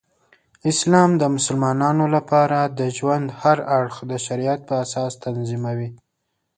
اسلام د مسلمانانو لپاره د ژوند هر اړخ د شریعت پراساس تنظیموي.